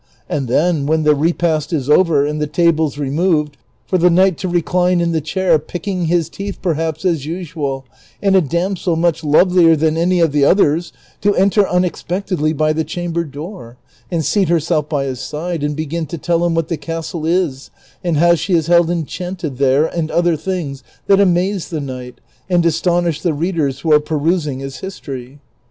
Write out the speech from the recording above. And then when the repast is over and the tables removed, for the knight to recline in the chair, picking his teeth perhaps as usual, and a damsel, much lovelier than any of the others, to enter unexpectedly by the chamber door, and seat herself by his side, and begin to tell him what the castle is, and how she is held enclianted there, and other things that amaze the knight and astonish the readers who are })erusing his history.